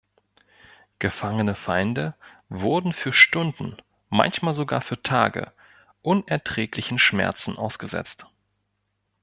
Gefangene Feinde wurden für Stunden, manchmal sogar für Tage, unerträglichen Schmerzen ausgesetzt.